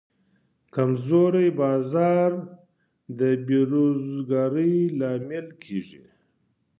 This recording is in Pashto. کمزوری بازار د بیروزګارۍ لامل کېږي.